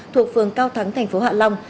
thuộc phường cao thắng tp hạ long